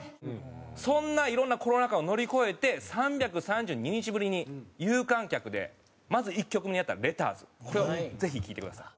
そんないろんなコロナ禍を乗り越えて３３２日ぶりに有観客でまず１曲目にやった『ＬＥＴＴＥＲＳ』これをぜひ聴いてください。